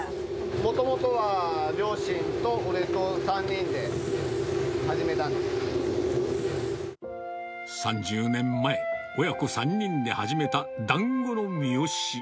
もともとは両親と俺と３人で３０年前、親子３人で始めただんごの美好。